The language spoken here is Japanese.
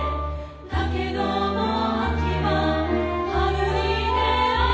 「だけども秋は春に出会えず」